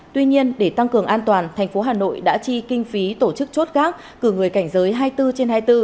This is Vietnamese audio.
tuy nhiên để tăng cường an toàn thành phố hà nội đã chi kinh phí tổ chức chốt gác cử người cảnh giới hai mươi bốn trên hai mươi bốn